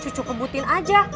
cucu kebutin aja